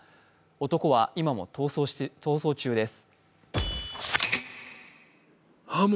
男は今も逃走中です。